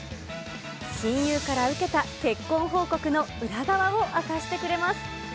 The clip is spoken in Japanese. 親友から受けた結婚報告の裏側を明かしてくれます。